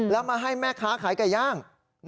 แล้วมาให้แม่ค้าขายไก่ย่าง